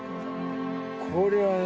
これはね